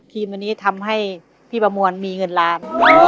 อันนี้ทำให้พี่ประมวลมีเงินล้าน